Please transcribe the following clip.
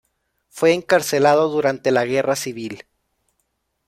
Fue encarcelado durante la Guerra Civil.